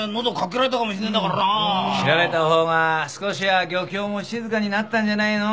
・切られたほうが少しは漁協も静かになったんじゃないの？